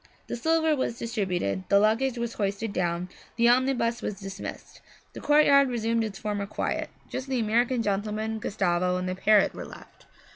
The silver was distributed, the luggage was hoisted down, the omnibus was dismissed. The courtyard resumed its former quiet; just the American gentleman, Gustavo and the parrot were left.